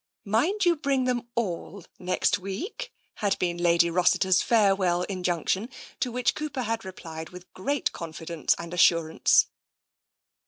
" Mind you bring them all next week," had been Lady Rossiter's farewell injunction, to which Cooper had replied with great confidence and assurance.